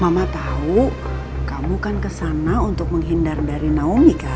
mama tahu kamu kan kesana untuk menghindar dari naomi kan